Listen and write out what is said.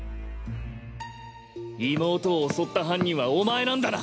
妹を襲った犯人はお前なんだな！